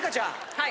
はい。